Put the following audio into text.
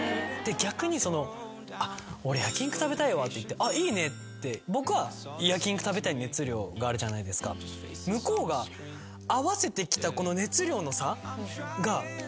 逆に俺焼き肉食べたいわって言って「あっいいね」って僕は焼き肉食べたい熱量があるじゃないですか向こうが合わせてきたこの。